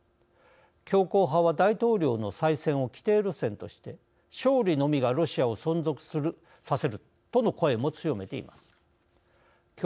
強硬派は大統領の再選を既定路線として勝利のみがロシアを存続させるとの声も強めています。